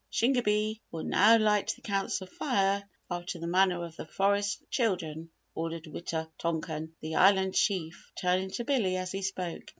"Shingebis will now light the Council Fire after the manner of the Forest Children," ordered Wita tonkan, the Island Chief, turning to Billy as he spoke.